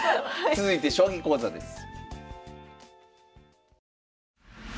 続いて将棋講座です。